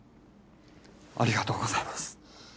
ありがとうございます